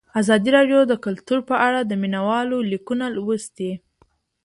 ازادي راډیو د کلتور په اړه د مینه والو لیکونه لوستي.